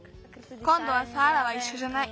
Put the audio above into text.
こんどはサーラはいっしょじゃない。